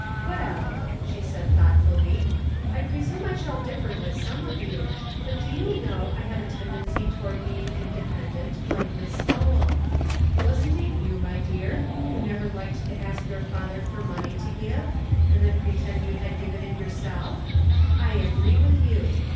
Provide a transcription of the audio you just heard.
u Well," she said, thoughtfully, " I presume I shall differ with some of you, but do you know I have a tendency toward being inde pendant, like Miss S to well. Wasn't it you, my dear, who never liked to ask your father for money to give, and then pretend you had given it yourself? I agree with you.